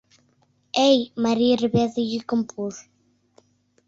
— Эй!.. — марий рвезе йӱкым пуыш.